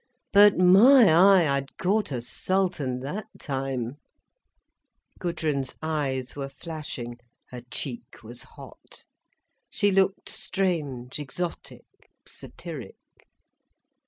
But my eye, I'd caught a Sultan that time—" Gudrun's eyes were flashing, her cheek was hot, she looked strange, exotic, satiric.